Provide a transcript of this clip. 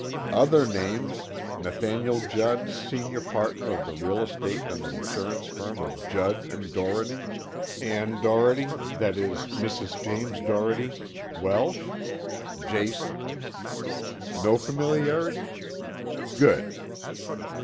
"Other names Nathaniel Judd, senior partner in the real estate and insurance firm of Judd and Doherty. Ann Doherty that is, Mrs. James Doherty.... Welsh? Jason? No familiarity? Good."